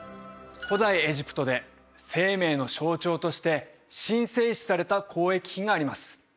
古代エジプトで生命の象徴として神聖視された交易品があります